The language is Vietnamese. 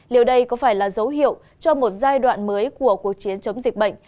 liệu đây có phải là dấu hiệu cho một giai đoạn mới của cuộc chiến chống dịch bệnh